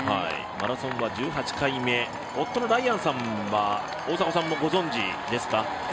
マラソンは１８回目夫のライアンさんは、大迫さんもご存じですか？